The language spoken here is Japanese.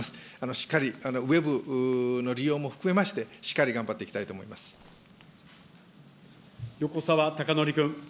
しっかりウェブの利用も含めまして、しっかり頑張っていきたいと横沢高徳君。